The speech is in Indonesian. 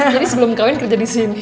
jadi sebelum kawin kerja di sini